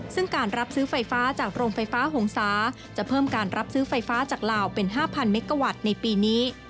ซึ่งการรับซื้อไฟฟ้าจากโรงไฟฟ้าหงษาจะเพิ่มการรับซื้อไฟฟ้าจากลาวเป็น๕๐๐เมกาวัตต์ในปีนี้